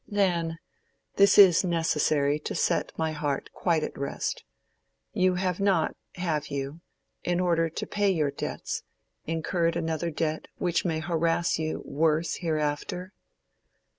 "Then—this is necessary to set my heart quite at rest—you have not—have you?—in order to pay your debts, incurred another debt which may harass you worse hereafter?"